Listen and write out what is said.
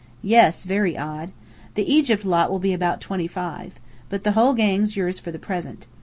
"Yes, very 'odd.' The Egypt lot will be about twenty five. But the whole gang's yours for the present.